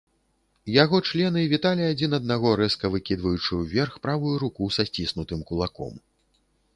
Яго члены віталі адзін аднаго, рэзка выкідваючы ўверх правую руку са сціснутым кулаком.